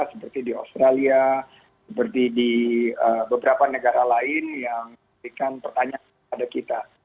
seperti di australia seperti di beberapa negara lain yang memberikan pertanyaan kepada kita